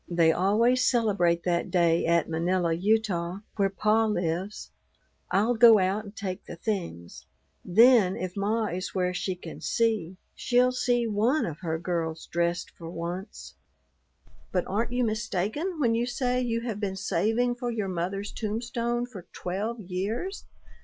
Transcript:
They always celebrate that day at Manila, Utah, where pa lives. I'll go out and take the things. Then if ma is where she can see, she'll see one of her girls dressed for once." "But aren't you mistaken when you say you have been saving for your mother's tombstone for twelve years?